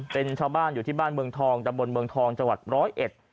เป็นชาวบ้านอยู่ที่บ้านเมืองทองตะบนเมืองทองจังหวัดร้อยเอ็ด